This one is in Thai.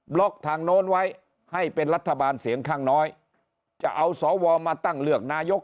ล็อกทางโน้นไว้ให้เป็นรัฐบาลเสียงข้างน้อยจะเอาสวมาตั้งเลือกนายก